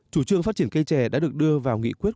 chủ trương phát triển cây trẻ đã được đưa vào nghị quyết